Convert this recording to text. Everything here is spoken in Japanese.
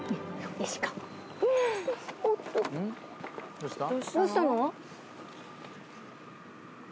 どうしたの？